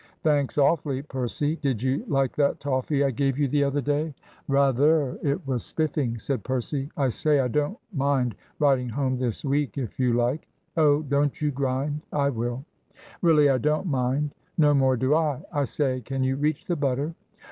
"Thanks awfully, Percy. Did you like that toffee I gave you the other day?" "Rather. It was spiffing," said Percy. "I say, I don't mind writing home this week if you like." "Oh, don't you grind; I will." "Really I don't mind." "No more do I. I say, can you reach the butter?"